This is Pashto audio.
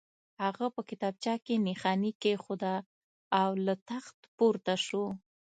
هغه په کتابچه کې نښاني کېښوده او له تخت پورته شو